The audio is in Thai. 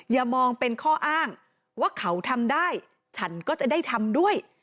อย่ามองเป็นข้ออ้างว่าเขาทำได้ฉันก็จะได้ทำด้วย